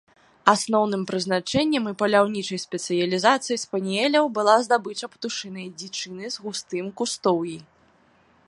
Асноўным прызначэннем і паляўнічай спецыялізацыяй спаніэляў была здабыча птушынай дзічыны з густым кустоўі.